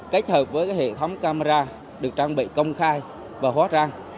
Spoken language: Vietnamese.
kết hợp với hệ thống camera được trang bị công khai và hóa trang